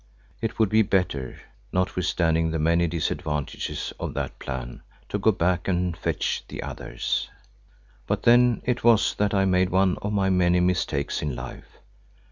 It would be better, notwithstanding the many disadvantages of that plan, to go back and fetch the others. But then it was that I made one of my many mistakes in life.